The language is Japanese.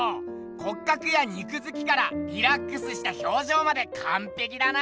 骨格や肉づきからリラックスした表情までかんぺきだな。